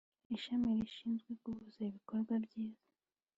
Ishami Rishinzwe Guhuza ibikorwa byiza